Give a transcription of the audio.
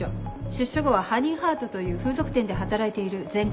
出所後はハニー・ハートという風俗店で働いている前科者です。